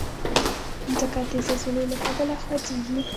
مځکه د زلزلو له کبله خوځېږي.